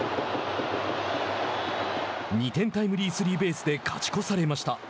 ２点タイムリースリーベースで勝ち越されました。